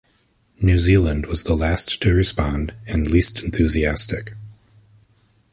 New Zealand was the last to respond and least enthusiastic.